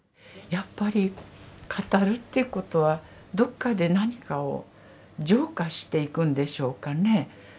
やっぱり語るっていうことはどっかで何かを浄化していくんでしょうかね。